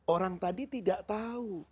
orang tadi tidak tahu